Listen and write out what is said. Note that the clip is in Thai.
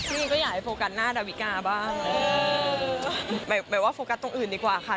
พี่ก็อยากให้โฟกัสหน้าดาวิกาบ้างแบบว่าโฟกัสตรงอื่นดีกว่าค่ะ